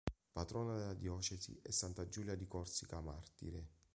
Patrona della diocesi è santa Giulia di Corsica martire.